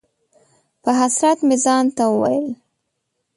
په حسرت مې ځان ته وویل: